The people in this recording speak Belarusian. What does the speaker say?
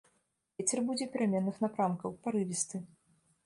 Вецер будзе пераменных напрамкаў, парывісты.